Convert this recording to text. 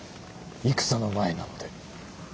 戦の前なので。